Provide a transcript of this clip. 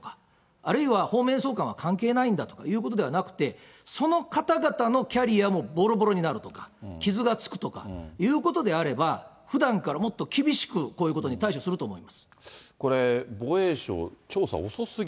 師団長は知らないんだとか、あるいは総監は関係ないんだということではなくて、その方々のキャリアもぼろぼろになるとか、傷がつくとかいうことであれば、ふだんからもっと厳しくこういうことに対処すると思い